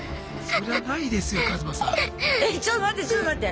えちょっと待ってちょっと待って！